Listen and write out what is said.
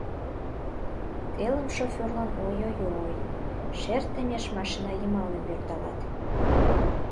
Телым шофёрлан ой-ой-ой! — шер теммеш машина йымалне пӧрдалат.